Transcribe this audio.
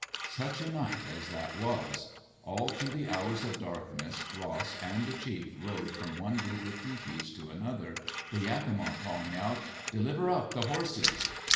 Such a night as that was I All through the hours of darkness Ross and the chief rode from one group of tepees to another, the Yakima calling out, "Deliver up the horses."